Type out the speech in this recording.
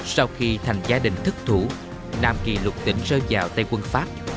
sau khi thành gia đình thức thủ nam kỳ lục tỉnh rơi vào tây quân pháp